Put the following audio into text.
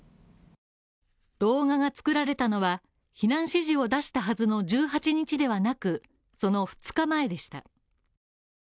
動画が作られたのは避難指示を出したはずの１８日ではなくその２日前でした。